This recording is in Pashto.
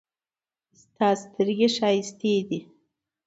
د تا سترګې ښایسته دي